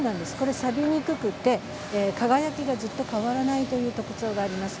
さびにくくて輝きがずっと変わらないという特徴があります。